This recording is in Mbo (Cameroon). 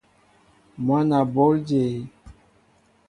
Mwăn a bǒl jě ?